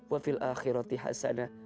wafil akhirati hasanah